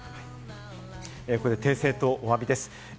ここで訂正とお詫びです。